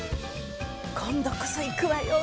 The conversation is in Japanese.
今度こそ行くわよ